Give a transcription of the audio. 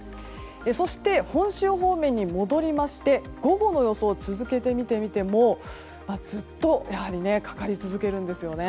そして、本州方面に戻りまして午後の予想を続けて見てみてもずっと、やはりかかり続けるんですよね。